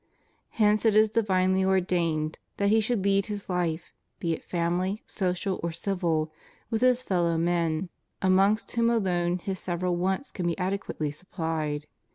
Hence it is divinely ordained that he should lead his life — be it family, social, or civil — with his fellow men, amongst tvhom alone his several wants can be adequately supplied.